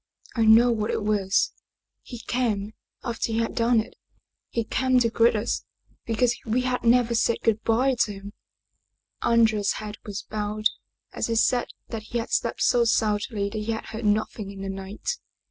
I know what it was. He came after he had done it he came to greet us because we had never said good by to him/' Andrea's head was bowed as he said that he had slept so soundly that he had heard nothing in the night.